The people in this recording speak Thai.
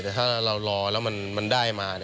แต่ถ้าเรารอแล้วมันได้มา